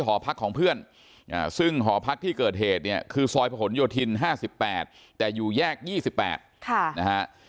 หอพักของเพื่อนซึ่งหอพักที่เกิดเหตุเนี่ยคือซอยผนโยธิน๕๘แต่อยู่แยก๒๘นะฮะ